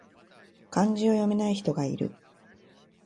漢字を読めない人がいる